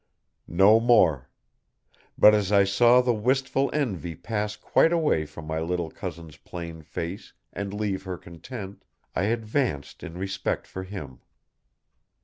No more. But as I saw the wistful envy pass quite away from my little cousin's plain face and leave her content, I advanced in respect for him.